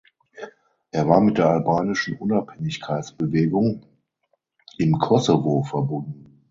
Er war mit der albanischen Unabhängigkeitsbewegung im Kosovo verbunden.